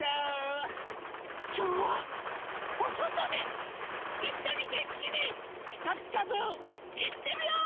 きょうはおそとでいっしょにげんきに「ピカピカブ！」いってみよう！